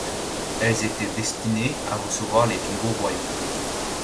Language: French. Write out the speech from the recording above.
Elles étaient destinées à recevoir les tombeaux royaux.